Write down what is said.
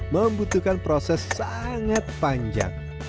membutuhkan proses sangat panjang